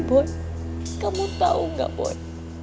boy kamu tau gak boy